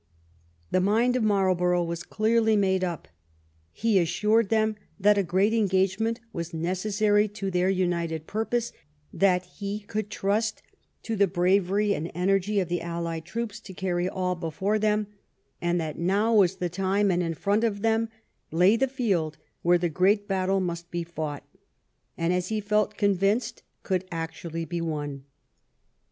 The mind of Marlborough was clearly made up. He assured them that a great engagement was necessary to their united purpose ; that he could trust to the bravery and energy of the allied troops to carry all before them, and that now was the time and in front of them lay the field where the great battle must be fought, and, as he felt convinced, could actually be won.